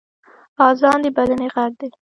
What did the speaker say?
اذان د بلنې غږ دی